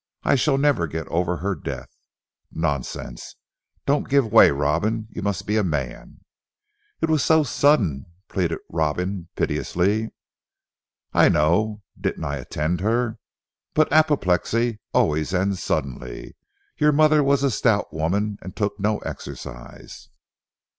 "I shall never get over her death." "Nonsense! Don't give way Robin. You must be a man " "It was so sudden," pleaded Robin piteously. "I know. Didn't I attend her! But apoplexy always ends suddenly. Your mother was a stout woman and took no exercise.